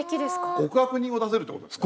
極悪人を出せるってことですか？